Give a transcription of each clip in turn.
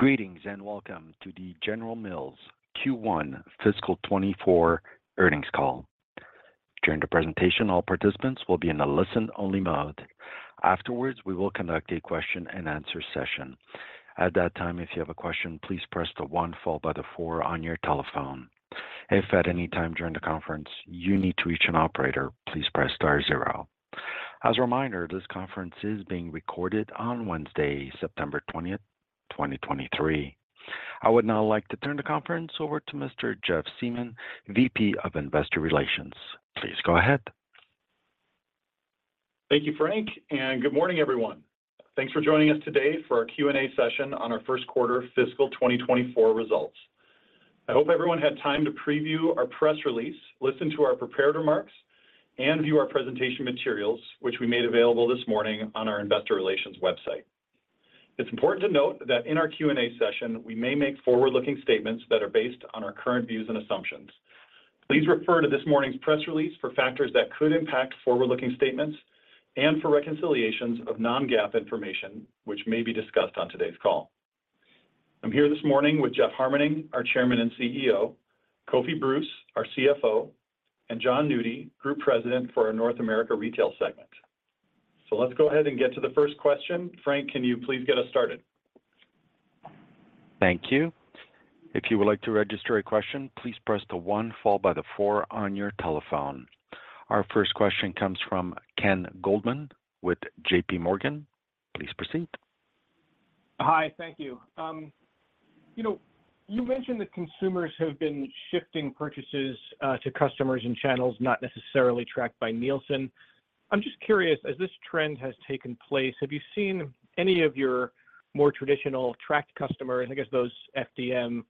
Greetings, and welcome to the General Mills Q1 Fiscal 2024 earnings call. During the presentation, all participants will be in a listen-only mode. Afterwards, we will conduct a question-and-answer session. At that time, if you have a question, please press one followed by four on your telephone. If at any time during the conference, you need to reach an operator, please press star zero. As a reminder, this conference is being recorded on Wednesday, September 20, 2023. I would now like to turn the conference over to Mr. Jeff Siemon, VP of Investor Relations. Please go ahead. Thank you, Frank, and good morning, everyone. Thanks for joining us today for our Q&A session on our first quarter fiscal 2024 results. I hope everyone had time to preview our press release, listen to our prepared remarks, and view our presentation materials, which we made available this morning on our investor relations website. It's important to note that in our Q&A session, we may make forward-looking statements that are based on our current views and assumptions. Please refer to this morning's press release for factors that could impact forward-looking statements and for reconciliations of non-GAAP information, which may be discussed on today's call. I'm here this morning with Jeff Harmening, our Chairman and CEO, Kofi Bruce, our CFO, and Jon Nudi, Group President for our North America Retail segment. So let's go ahead and get to the first question. Frank, can you please get us started? Thank you. If you would like to register a question, please press the one followed by the four on your telephone. Our first question comes from Ken Goldman with JPMorgan. Please proceed. Hi, thank you. You know, you mentioned that consumers have been shifting purchases to customers and channels not necessarily tracked by Nielsen. I'm just curious, as this trend has taken place, have you seen any of your more traditional tracked customers, and I guess those FDM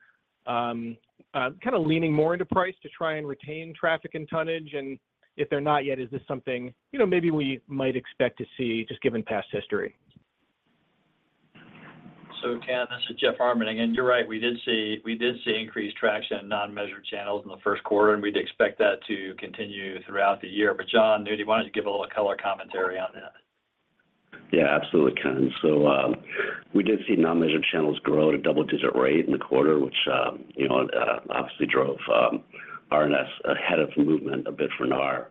kind of leaning more into price to try and retain traffic and tonnage? And if they're not yet, is this something, you know, maybe we might expect to see just given past history? So, Ken, this is Jeff Harmening, and you're right. We did see, we did see increased traction in non-measured channels in the first quarter, and we'd expect that to continue throughout the year. But Jon Nudi, why don't you give a little color commentary on that? Yeah, absolutely, Ken. We did see non-measured channels grow at a double-digit rate in the quarter, which, you know, obviously drove RNS ahead of the movement a bit for NAR.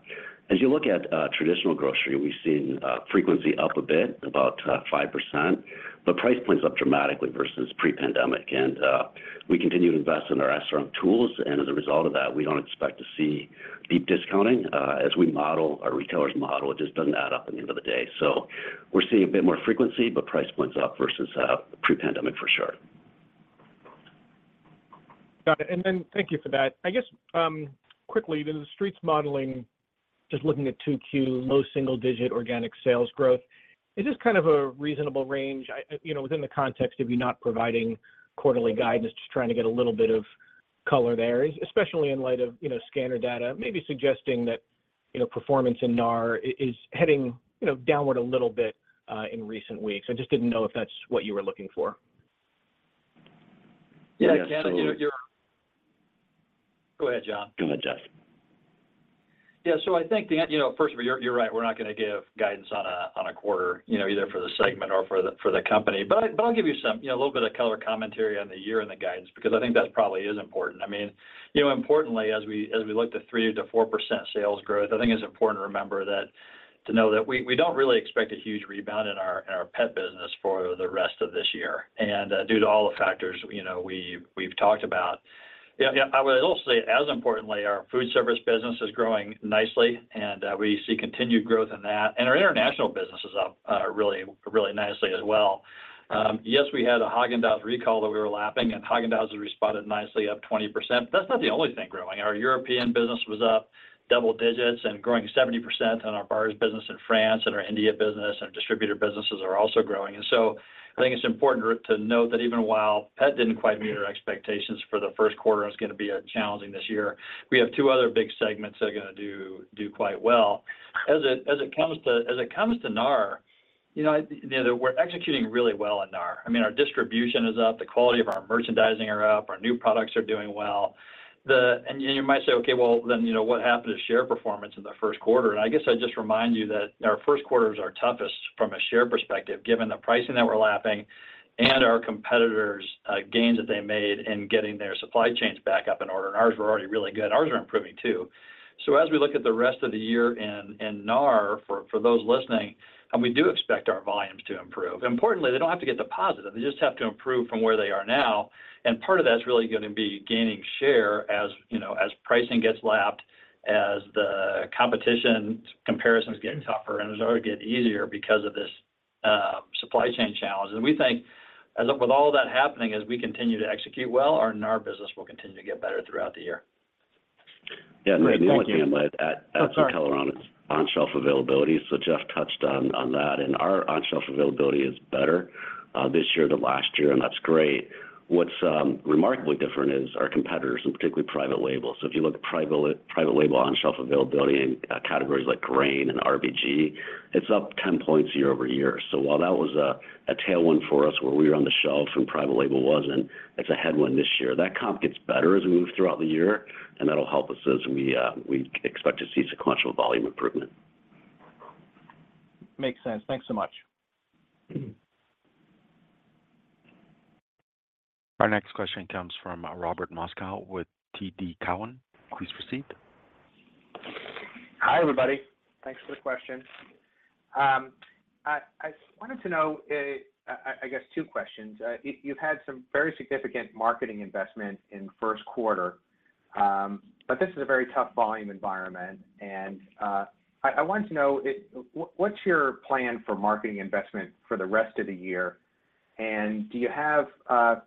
As you look at traditional grocery, we've seen frequency up a bit, about 5%, but price points up dramatically versus pre-pandemic. We continue to invest in our SRM tools and as a result of that, we don't expect to see deep discounting. As we model our retailers model, it just doesn't add up at the end of the day. We're seeing a bit more frequency, but price points up versus pre-pandemic for sure. Got it. And then thank you for that. I guess, quickly, the street's modeling, just looking at 2Q, low single-digit organic sales growth, is this kind of a reasonable range? I, you know, within the context of you not providing quarterly guidance, just trying to get a little bit of color there, especially in light of, you know, scanner data, maybe suggesting that, you know, performance in NAR is heading, you know, downward a little bit, in recent weeks. I just didn't know if that's what you were looking for. Yeah, Ken, you're- Yeah, so- Go ahead, Jon. Go ahead, Jeff. Yeah, I think the... You know, first of all, you're right. We're not going to give guidance on a quarter, you know, either for the segment or for the company. I'll give you some, you know, a little bit of color commentary on the year and the guidance, because I think that probably is important. I mean, you know, importantly, as we look to 3%-4% sales growth, I think it's important to remember that, to know that we don't really expect a huge rebound in our pet business for the rest of this year. And, you know, due to all the factors, we've talked about. Yeah, yeah, I would also say, as importantly, our food service business is growing nicely, and we see continued growth in that, and our international business is up, really, really nicely as well. Yes, we had a Häagen-Dazs recall that we were lapping, and Häagen-Dazs has responded nicely, up 20%. That's not the only thing growing. Our European business was up double digits and growing 70% on our bars business in France and our India business, and our distributor businesses are also growing. And so I think it's important to note that even while pet didn't quite meet our expectations for the first quarter and it's going to be, challenging this year, we have two other big segments that are going to do, do quite well. As it comes to NAR, you know, I-- we're executing really well in NAR. I mean, our distribution is up, the quality of our merchandising are up, our new products are doing well. And you might say, "Okay, well, then, you know, what happened to share performance in the first quarter?" And I guess I'd just remind you that our first quarter is our toughest from a share perspective, given the pricing that we're lapping and our competitors' gains that they made in getting their supply chains back up in order. And ours were already really good. Ours are improving too. So as we look at the rest of the year in NAR, for those listening, and we do expect our volumes to improve. Importantly, they don't have to get to positive. They just have to improve from where they are now, and part of that's really going to be gaining share as, you know, as pricing gets lapped, as the competition comparisons getting tougher, and it's going to get easier because of this, supply chain challenge. And we think as with all that happening, as we continue to execute well, our NAR business will continue to get better throughout the year. Yeah, and the only thing I'd add- Oh, sorry... on-shelf availability, so Jeff touched on that, and our on-shelf availability is better this year than last year, and that's great. What's remarkably different is our competitors, and particularly private label. So if you look at private label on-shelf availability in categories like grain and RBG, it's up 10 points year-over-year. So while that was a tailwind for us where we were on the shelf and private label wasn't, it's a headwind this year. That comp gets better as we move throughout the year, and that'll help us as we expect to see sequential volume improvement. Makes sense. Thanks so much. Our next question comes from, Robert Moskow with TD Cowen. Please proceed. Hi, everybody. Thanks for the question. I wanted to know, I guess two questions. You've had some very significant marketing investment in first quarter, but this is a very tough volume environment, and I wanted to know what's your plan for marketing investment for the rest of the year? And do you have... You know,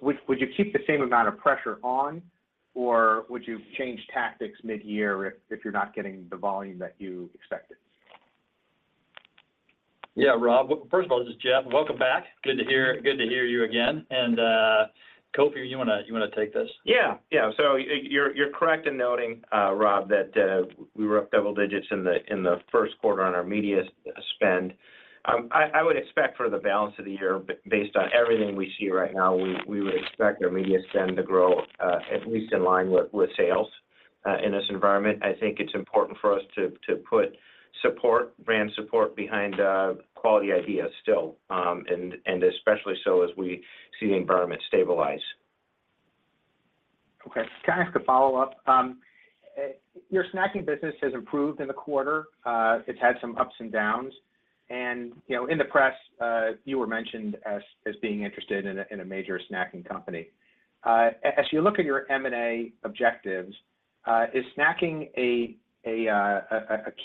would you keep the same amount of pressure on, or would you change tactics mid-year if you're not getting the volume that you expected? Yeah, Rob, first of all, this is Jeff. Welcome back. Good to hear, good to hear you again, and, Kofi, you wanna, you wanna take this? Yeah. Yeah. So you're correct in noting, Rob, that we were up double digits in the first quarter on our media spend. I would expect for the balance of the year, based on everything we see right now, we would expect our media spend to grow at least in line with sales in this environment. I think it's important for us to put support, brand support behind quality ideas still, and especially so as we see the environment stabilize. Okay. Can I ask a follow-up? Your snacking business has improved in the quarter. It's had some ups and downs, and, you know, in the press, you were mentioned as being interested in a major snacking company. As you look at your M&A objectives, is snacking a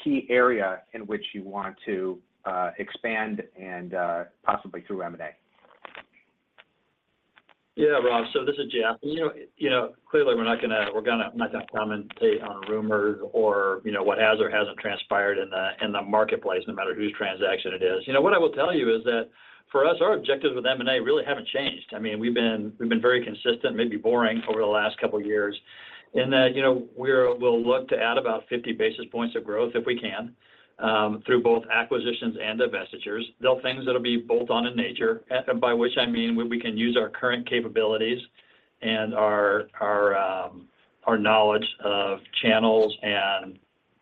key area in which you want to expand and possibly through M&A? Yeah, Rob, so this is Jeff. You know, clearly, we're not gonna comment on rumors or, you know, what has or hasn't transpired in the marketplace, no matter whose transaction it is. You know, what I will tell you is that for us, our objectives with M&A really haven't changed. I mean, we've been very consistent, maybe boring over the last couple of years in that, you know, we'll look to add about 50 basis points of growth, if we can, through both acquisitions and divestitures. They're things that'll be bolt-on in nature, by which I mean, we can use our current capabilities and our knowledge of channels and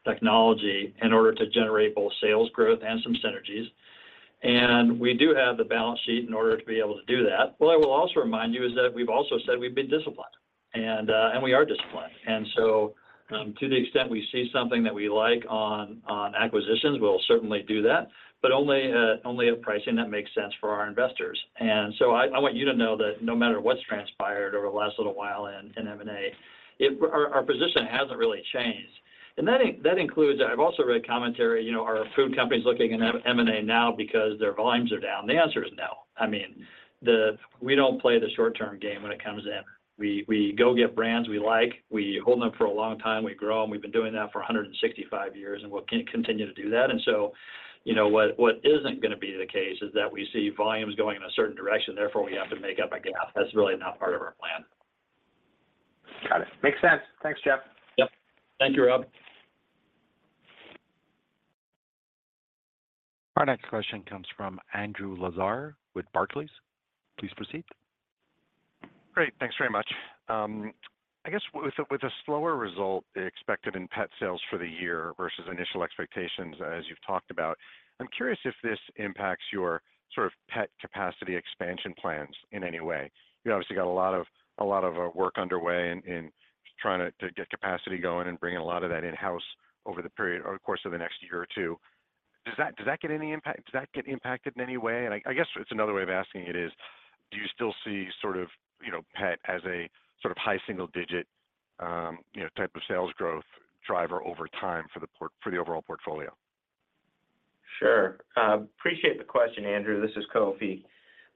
technology in order to generate both sales growth and some synergies, and we do have the balance sheet in order to be able to do that. What I will also remind you is that we've also said we've been disciplined, and we are disciplined. And so, to the extent we see something that we like on acquisitions, we'll certainly do that, but only at pricing that makes sense for our investors. And so I want you to know that no matter what's transpired over the last little while in M&A, our position hasn't really changed. And that includes... I've also read commentary, you know, are food companies looking in M&A now because their volumes are down? The answer is no. I mean, we don't play the short-term game when it comes in. We, we go get brands we like. We hold them for a long time. We grow them. We've been doing that for 165 years, and we'll continue to do that. And so, you know, what isn't gonna be the case is that we see volumes going in a certain direction, therefore, we have to make up a gap. That's really not part of our plan. Got it. Makes sense. Thanks, Jeff. Yep. Thank you, Rob. Our next question comes from Andrew Lazar with Barclays. Please proceed. Great. Thanks very much. I guess with the, with the slower result expected in pet sales for the year versus initial expectations as you've talked about, I'm curious if this impacts your sort of pet capacity expansion plans in any way. You obviously got a lot of, a lot of, work underway in, in trying to, to get capacity going and bringing a lot of that in-house over the period or the course of the next year or two. Does that, does that get any impact- does that get impacted in any way? And I, I guess it's another way of asking it is, do you still see sort of, you know, pet as a sort of high single digit, you know, type of sales growth driver over time for the port- for the overall portfolio? Sure. Appreciate the question, Andrew. This is Kofi.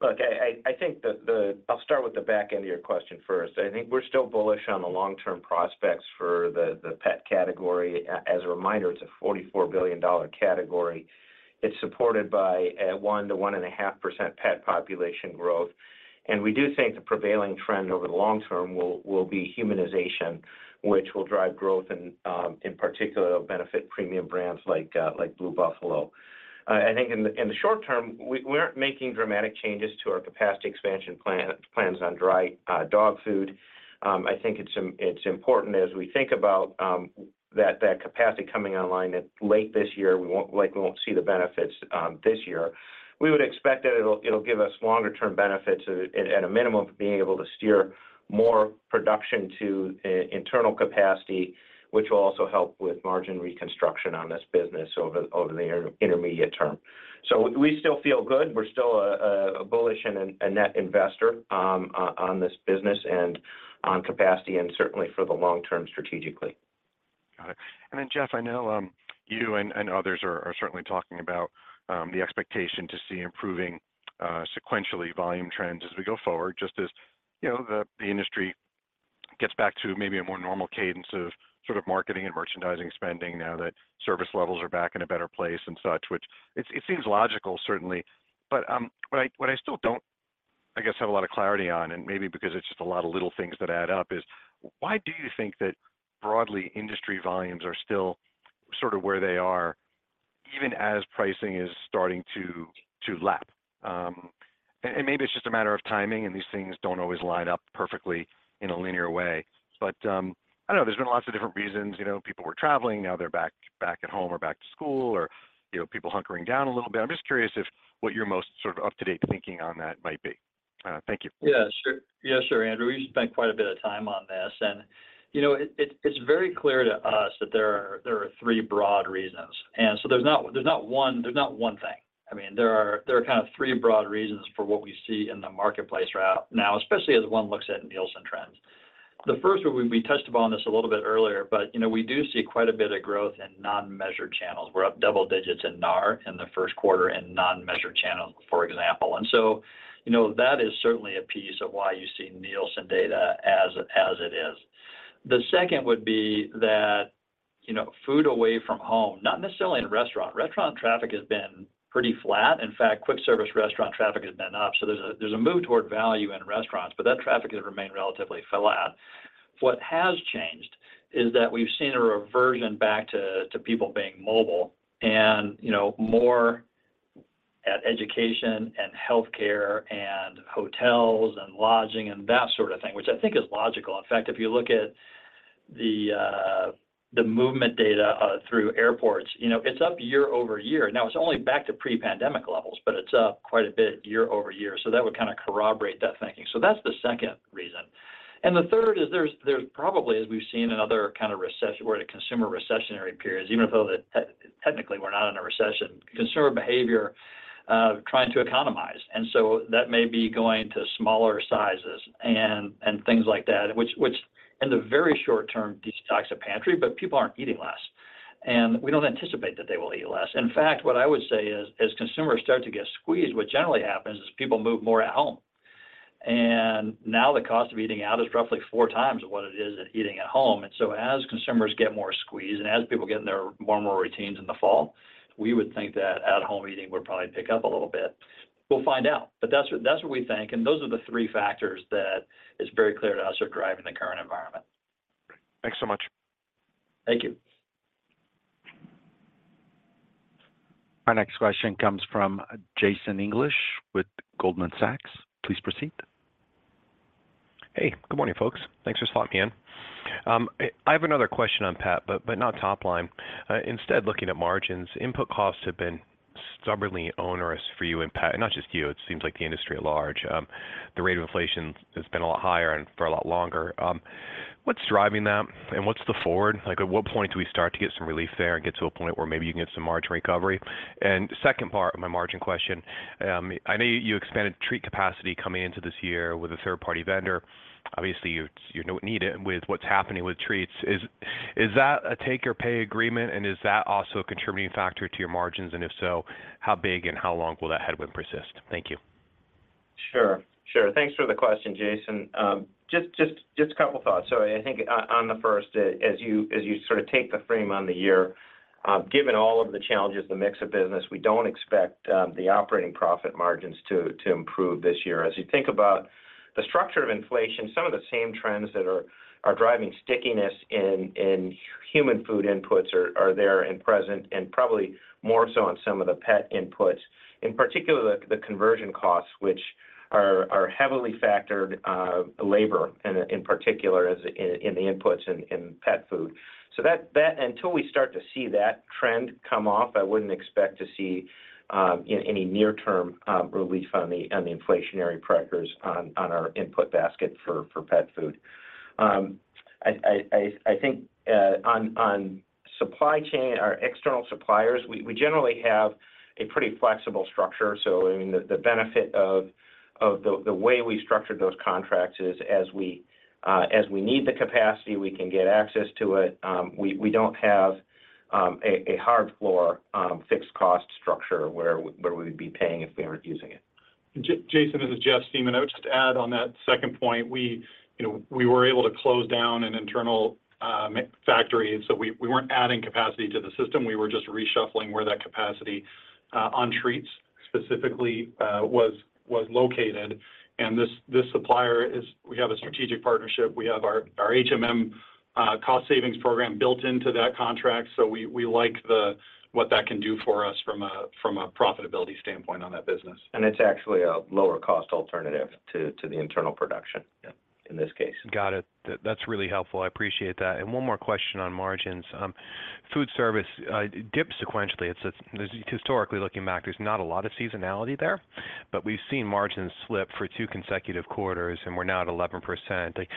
Look, I think the—I'll start with the back end of your question first. I think we're still bullish on the long-term prospects for the pet category. As a reminder, it's a $44 billion category. It's supported by a 1%-1.5% pet population growth, and we do think the prevailing trend over the long term will be humanization, which will drive growth and, in particular, benefit premium brands like like Blue Buffalo. I think in the short term, we aren't making dramatic changes to our capacity expansion plans on dry dog food. I think it's important as we think about that capacity coming online late this year, we won't, like, we won't see the benefits this year. We would expect that it'll give us longer term benefits at a minimum, being able to steer more production to internal capacity, which will also help with margin reconstruction on this business over the intermediate term. So we still feel good. We're still bullish and a net investor on this business and on capacity, and certainly for the long term, strategically. Got it. And then, Jeff, I know, you and others are certainly talking about the expectation to see improving sequentially volume trends as we go forward, just as, you know, the industry gets back to maybe a more normal cadence of sort of marketing and merchandising spending now that service levels are back in a better place and such, which it seems logical, certainly. But, what I still don't, I guess, have a lot of clarity on, and maybe because it's just a lot of little things that add up, is why do you think that broadly, industry volumes are still sort of where they are, even as pricing is starting to lap... and maybe it's just a matter of timing, and these things don't always line up perfectly in a linear way. I know there's been lots of different reasons. You know, people were traveling, now they're back, back at home or back to school, or, you know, people hunkering down a little bit. I'm just curious if what your most sort of up-to-date thinking on that might be? Thank you. Yeah, sure. Yeah, sure, Andrew. We've spent quite a bit of time on this, and you know, it's very clear to us that there are three broad reasons. There's not one thing. I mean, there are kind of three broad reasons for what we see in the marketplace right now, especially as one looks at Nielsen trends. The first one, we touched upon this a little bit earlier, but, you know, we do see quite a bit of growth in non-measured channels. We're up double digits in NAR in the first quarter in non-measured channels, for example. That is certainly a piece of why you see Nielsen data as it is. The second would be that, you know, food away from home, not necessarily in restaurant. Restaurant traffic has been pretty flat. In fact, quick-service restaurant traffic has been up, so there's a, there's a move toward value in restaurants, but that traffic has remained relatively flat. What has changed is that we've seen a reversion back to, to people being mobile and, you know, more at education and healthcare and hotels and lodging and that sort of thing, which I think is logical. In fact, if you look at the, the movement data, through airports, you know, it's up year-over-year. Now, it's only back to pre-pandemic levels, but it's up quite a bit year-over-year, so that would kind of corroborate that thinking. So that's the second reason. And the third is, there's probably, as we've seen in other kind of recession, or the consumer recessionary periods, even though that technically we're not in a recession, consumer behavior trying to economize. And so that may be going to smaller sizes and things like that, which in the very short term, depletes the pantry, but people aren't eating less, and we don't anticipate that they will eat less. In fact, what I would say is, as consumers start to get squeezed, what generally happens is people move more at home. And now the cost of eating out is roughly four times what it is eating at home. And so as consumers get more squeezed and as people get in their more and more routines in the fall, we would think that at-home eating would probably pick up a little bit. We'll find out, but that's what, that's what we think, and those are the three factors that is very clear to us are driving the current environment. Thanks so much. Thank you. Our next question comes from Jason English with Goldman Sachs. Please proceed. Hey, good morning, folks. Thanks for slotting me in. I have another question on pet, but, but not top line. Instead, looking at margins, input costs have been stubbornly onerous for you and pet, not just you. It seems like the industry at large. The rate of inflation has been a lot higher and for a lot longer. What's driving that, and what's the forward? Like, at what point do we start to get some relief there and get to a point where maybe you can get some margin recovery? And second part of my margin question, I know you expanded treat capacity coming into this year with a third-party vendor. Obviously, you, you know, need it with what's happening with treats. Is, is that a take or pay agreement, and is that also a contributing factor to your margins? If so, how big and how long will that headwind persist? Thank you. Sure. Thanks for the question, Jason. Just a couple thoughts. I think on the first, as you sort of take the frame on the year, given all of the challenges, the mix of business, we don't expect the operating profit margins to improve this year. As you think about the structure of inflation, some of the same trends that are driving stickiness in human food inputs are there and present, and probably more so on some of the pet inputs, in particular, the conversion costs, which are heavily factored, labor and in particular, as in the inputs in pet food. So that until we start to see that trend come off, I wouldn't expect to see any near-term relief on the inflationary pressures on our input basket for pet food. I think on supply chain, our external suppliers, we generally have a pretty flexible structure. So, I mean, the benefit of the way we structured those contracts is as we need the capacity, we can get access to it. We don't have a hard floor fixed cost structure where we'd be paying if we weren't using it. Jason, this is Jeff Siemon. I would just add on that second point, we, you know, we were able to close down an internal factory, so we, we weren't adding capacity to the system. We were just reshuffling where that capacity on treats specifically was, was located. And this supplier is, we have a strategic partnership. We have our HMM cost savings program built into that contract, so we, we like the what that can do for us from a profitability standpoint on that business. It's actually a lower cost alternative to the internal production- Yeah... in this case. Got it. That's really helpful. I appreciate that. And one more question on margins. Food service dipped sequentially. It's historically, looking back, there's not a lot of seasonality there, but we've seen margins slip for two consecutive quarters, and we're now at 11%. Like,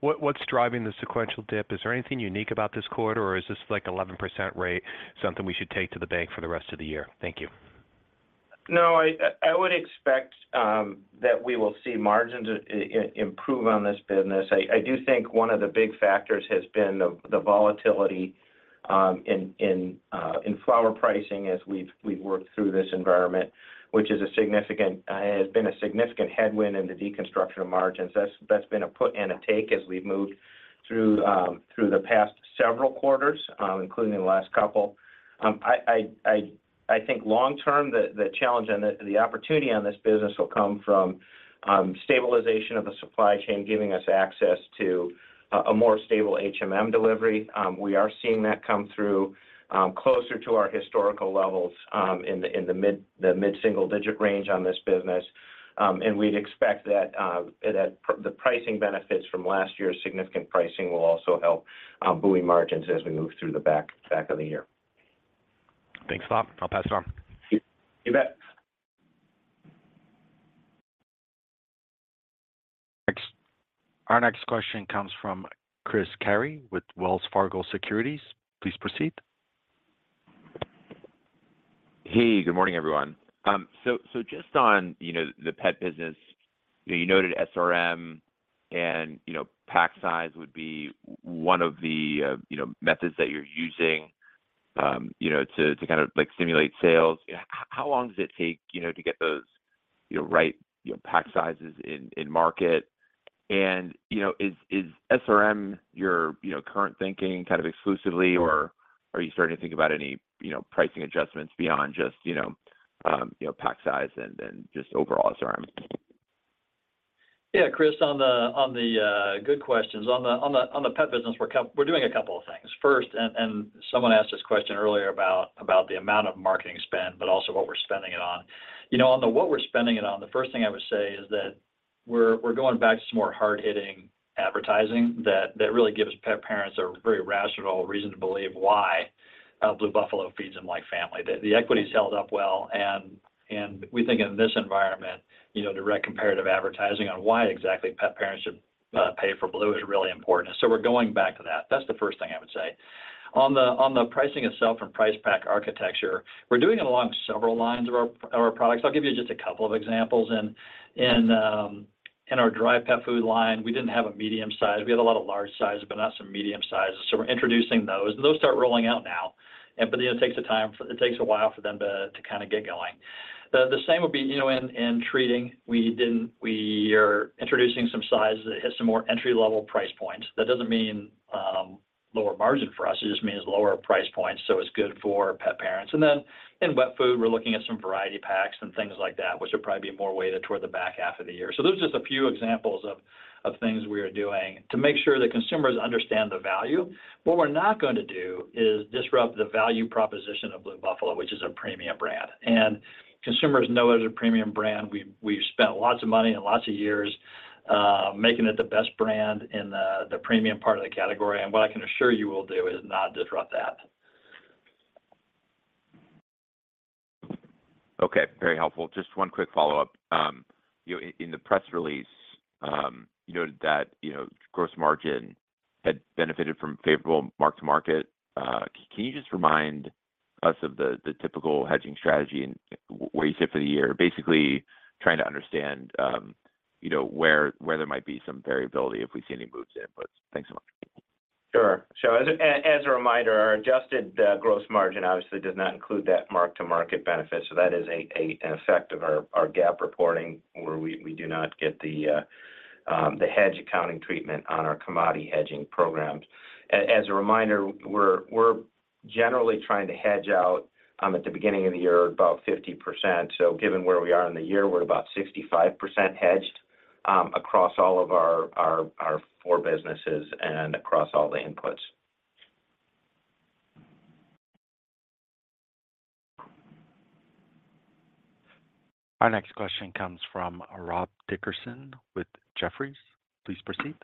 what, what's driving the sequential dip? Is there anything unique about this quarter, or is this, like, 11% rate something we should take to the bank for the rest of the year? Thank you. No, I would expect that we will see margins improve on this business. I do think one of the big factors has been the volatility in flour pricing as we've worked through this environment, which has been a significant headwind in the deconstruction of margins. That's been a put and a take as we've moved through the past several quarters, including the last couple. I think long term, the challenge and the opportunity on this business will come from stabilization of the supply chain, giving us access to a more stable HMM delivery. We are seeing that come through closer to our historical levels in the mid-single-digit range on this business.... and we'd expect that the pricing benefits from last year's significant pricing will also help buoy margins as we move through the back of the year. Thanks a lot. I'll pass it on. You bet. Our next question comes from Chris Carey with Wells Fargo Securities. Please proceed. Hey, good morning, everyone. So just on, you know, the pet business, you know, you noted SRM and, you know, pack size would be one of the, you know, methods that you're using, you know, to kind of like stimulate sales. How long does it take, you know, to get those, you know, right, you know, pack sizes in market? And, you know, is SRM your, you know, current thinking kind of exclusively, or are you starting to think about any, you know, pricing adjustments beyond just, you know, pack size and then just overall SRM? Yeah, Chris, on the good questions. On the pet business, we're doing a couple of things. First, someone asked this question earlier about the amount of marketing spend, but also what we're spending it on. You know, on what we're spending it on, the first thing I would say is that we're going back to some more hard-hitting advertising that really gives pet parents a very rational reason to believe why Blue Buffalo feeds them like family. The equity's held up well, and we think in this environment, you know, direct comparative advertising on why exactly pet parents should pay for Blue is really important. So we're going back to that. That's the first thing I would say. On the pricing itself and price pack architecture, we're doing it along several lines of our products. I'll give you just a couple of examples. In our dry pet food line, we didn't have a medium size. We had a lot of large sizes, but not some medium sizes, so we're introducing those. Those start rolling out now, and, you know, it takes time for them to kind of get going. The same would be, you know, in treating. We are introducing some sizes that hit some more entry-level price points. That doesn't mean lower margin for us, it just means lower price points, so it's good for pet parents. And then in wet food, we're looking at some variety packs and things like that, which will probably be more weighted toward the back half of the year. So those are just a few examples of things we are doing to make sure that consumers understand the value. What we're not going to do is disrupt the value proposition of Blue Buffalo, which is a premium brand, and consumers know it as a premium brand. We've spent lots of money and lots of years making it the best brand in the premium part of the category. And what I can assure you we'll do is not disrupt that. Okay, very helpful. Just one quick follow-up. You know, in the press release, you noted that, you know, gross margin had benefited from favorable mark-to-market. Can you just remind us of the typical hedging strategy and where you sit for the year? Basically, trying to understand, you know, where there might be some variability if we see any moves in. Thanks so much. Sure. So as a reminder, our adjusted gross margin obviously does not include that mark-to-market benefit, so that is an effect of our GAAP reporting, where we do not get the hedge accounting treatment on our commodity hedging programs. As a reminder, we're generally trying to hedge out at the beginning of the year, about 50%. So given where we are in the year, we're about 65% hedged across all of our four businesses and across all the inputs. Our next question comes from Rob Dickerson with Jefferies. Please proceed.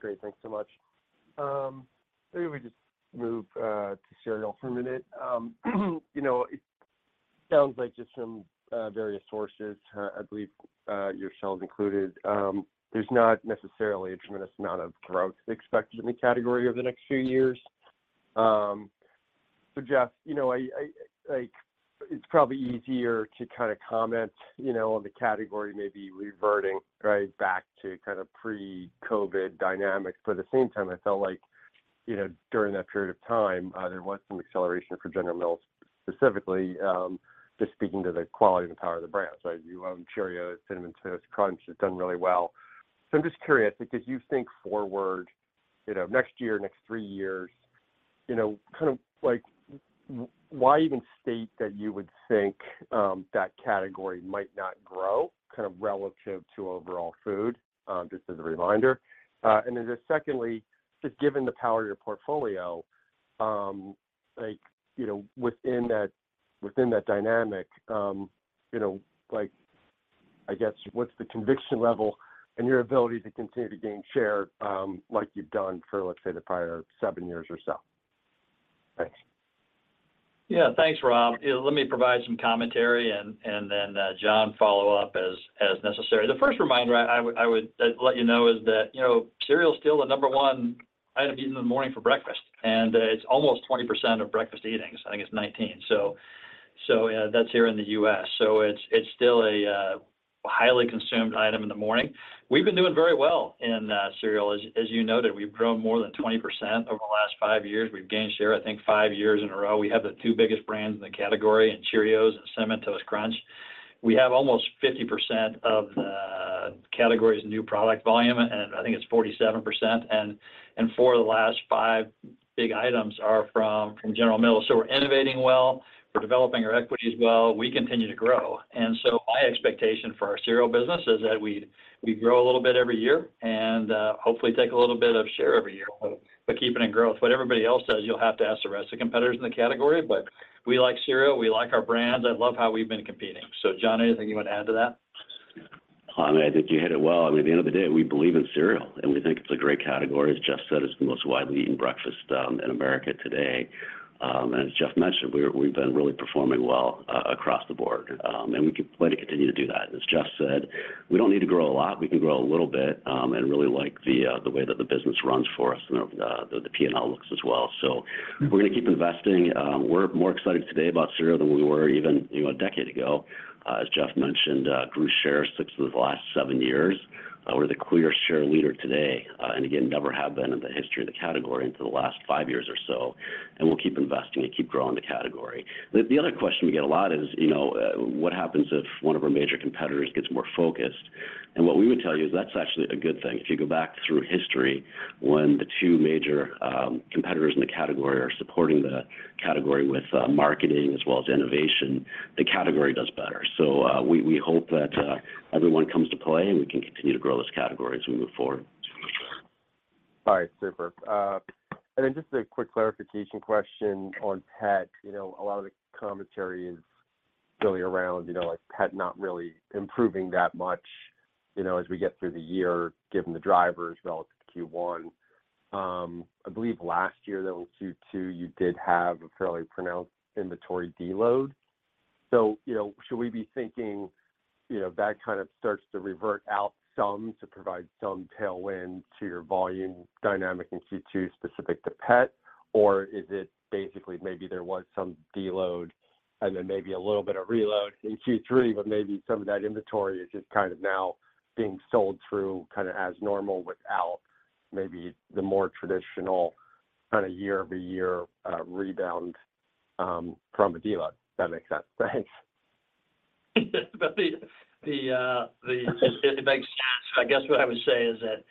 Great, thanks so much. Maybe we just move to cereal for a minute. You know, it sounds like just from various sources, I believe, yourselves included, there's not necessarily a tremendous amount of growth expected in the category over the next few years. Jeff, you know, I, like, it's probably easier to kind of comment, you know, on the category maybe reverting, right, back to kind of pre-COVID dynamics. At the same time, I felt like, you know, during that period of time, there was some acceleration for General Mills, specifically, just speaking to the quality and power of the brand. You own Cheerios, Cinnamon Toast Crunch, it's done really well. So I'm just curious, because you think forward, you know, next year, next three years, you know, kind of like, why even state that you would think that category might not grow kind of relative to overall food? Just as a reminder. And then just secondly, just given the power of your portfolio, like, you know, within that, within that dynamic, you know, like, I guess, what's the conviction level in your ability to continue to gain share, like you've done for, let's say, the prior seven years or so? Thanks. Yeah, thanks, Rob. Let me provide some commentary and then, John, follow up as necessary. The first reminder I would let you know is that, you know, cereal is still the number one item eaten in the morning for breakfast, and it's almost 20% of breakfast eating. I think it's 19%. That's here in the U.S. It's still a highly consumed item in the morning. We've been doing very well in cereal. As you noted, we've grown more than 20% over the last five years. We've gained share, I think, five years in a row. We have the two biggest brands in the category in Cheerios and Cinnamon Toast Crunch. We have almost 50% of the category's new product volume, and I think it's 47%, and 4 of the last 5 big items are from General Mills. So we're innovating well, we're developing our equities well, we continue to grow. And so my expectation for our cereal business is that we grow a little bit every year and hopefully take a little bit of share every year, but keep it in growth. What everybody else does, you'll have to ask the rest of the competitors in the category, but we like cereal, we like our brands. I love how we've been competing. So, Jon, anything you want to add to that? I think you hit it well. I mean, at the end of the day, we believe in cereal, and we think it's a great category. As Jeff said, it's the most widely eaten breakfast in America today. And as Jeff mentioned, we've been really performing well across the board, and we plan to continue to do that. As Jeff said, we don't need to grow a lot. We can grow a little bit, and really like the way that the business runs for us, and the P&L looks as well. So we're gonna keep investing. We're more excited today about cereal than we were even, you know, a decade ago. As Jeff mentioned, grew share six of the last seven years. We're the clear share leader today, and again, never have been in the history of the category until the last five years or so, and we'll keep investing and keep growing the category. The other question we get a lot is, you know, what happens if one of our major competitors gets more focused? And what we would tell you is that's actually a good thing. If you go back through history when the two major competitors in the category are supporting the category with marketing as well as innovation, the category does better. So, we hope that everyone comes to play, and we can continue to grow this category as we move forward. All right. Super. And then just a quick clarification question on pet. You know, a lot of the commentary is really around, you know, like, pet not really improving that much, you know, as we get through the year, given the drivers relative to Q1. I believe last year, though, Q2, you did have a fairly pronounced inventory deload. So, you know, should we be thinking, you know, that kind of starts to revert out some to provide some tailwind to your volume dynamic in Q2 specific to pet? Or is it basically maybe there was some deload and then maybe a little bit of reload in Q3, but maybe some of that inventory is just kind of now being sold through kind of as normal without maybe the more traditional kind of year-over-year rebound from a deload, if that makes sense? The, the-- it, it makes sense. I guess what I would say is that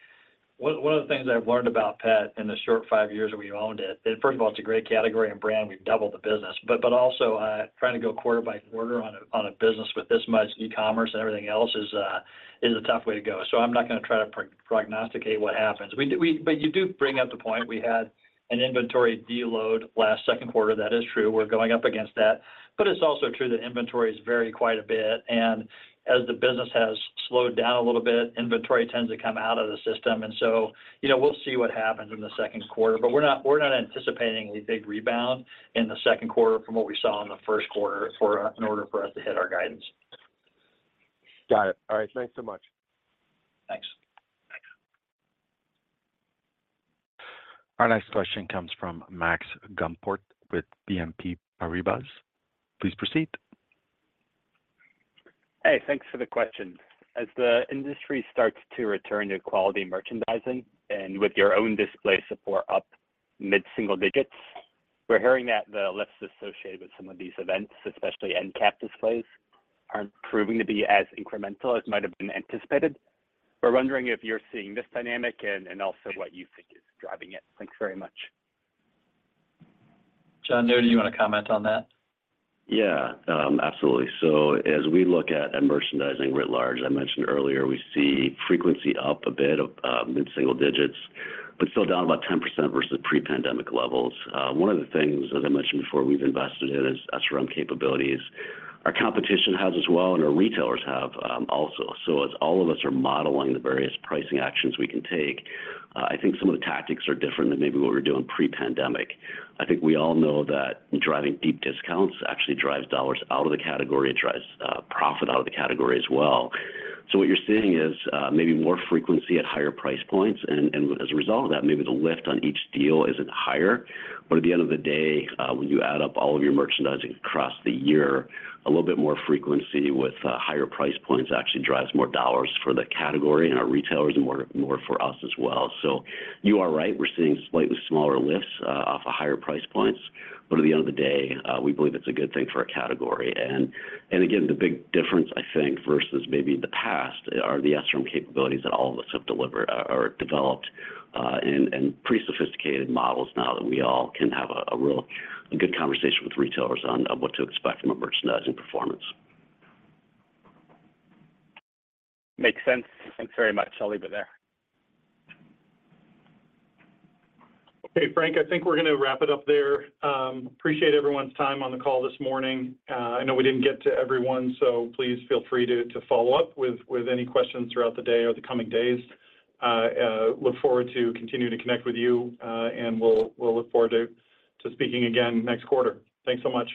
one of the things I've learned about pet in the short 5 years that we owned it, first of all, it's a great category and brand. We've doubled the business, but also, trying to go quarter by quarter on a business with this much e-commerce and everything else is a tough way to go. I'm not gonna try to prognosticate what happens. We did-- we... You do bring up the point. We had an inventory deload last second quarter. That is true. We're going up against that, but it's also true that inventories vary quite a bit, and as the business has slowed down a little bit, inventory tends to come out of the system. And so, you know, we'll see what happens in the second quarter, but we're not, we're not anticipating a big rebound in the second quarter from what we saw in the first quarter for us in order for us to hit our guidance. Got it. All right. Thanks so much. Thanks. Our next question comes from Max Gumport with BNP Paribas. Please proceed. Hey, thanks for the question. As the industry starts to return to quality merchandising, and with your own display support up mid-single digits, we're hearing that the lifts associated with some of these events, especially end cap displays, aren't proving to be as incremental as might have been anticipated. We're wondering if you're seeing this dynamic and also what you think is driving it. Thanks very much. Jon Nudi, do you want to comment on that? Yeah, absolutely. So as we look at merchandising with large, I mentioned earlier, we see frequency up a bit, mid-single digits, but still down about 10% versus pre-pandemic levels. One of the things, as I mentioned before, we've invested in is SRM capabilities. Our competition has as well, and our retailers have, also. So as all of us are modeling the various pricing actions we can take, I think some of the tactics are different than maybe what we're doing pre-pandemic. I think we all know that driving deep discounts actually drives dollars out of the category. It drives, profit out of the category as well. So what you're seeing is, maybe more frequency at higher price points and, and as a result of that, maybe the lift on each deal isn't higher. But at the end of the day, when you add up all of your merchandising across the year, a little bit more frequency with higher price points actually drives more dollars for the category and our retailers and more, more for us as well. So you are right, we're seeing slightly smaller lifts off of higher price points, but at the end of the day, we believe it's a good thing for our category. And again, the big difference, I think, versus maybe the past are the SRM capabilities that all of us have delivered or developed, and pretty sophisticated models now that we all can have a real good conversation with retailers on what to expect from a merchandising performance. Makes sense. Thanks very much. I'll leave it there. Okay, Frank, I think we're gonna wrap it up there. Appreciate everyone's time on the call this morning. I know we didn't get to everyone, so please feel free to follow up with any questions throughout the day or the coming days. Look forward to continuing to connect with you, and we'll look forward to speaking again next quarter. Thanks so much.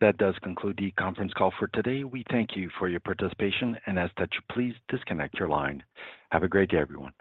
That does conclude the conference call for today. We thank you for your participation and ask that you please disconnect your line. Have a great day, everyone.